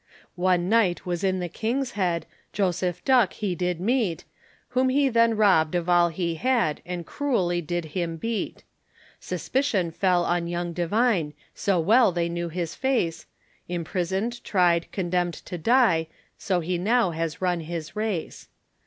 One night was in the King's Head, Joseph Duck he did meet, Whom he then robbed of all he had, And cruelly did him beat. Suspicion fell on young Devine, So well they knew his face, Imprisoned, tried, condemned to die, So he now has run his race.